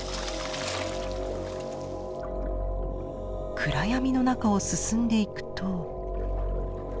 暗闇の中を進んでいくと。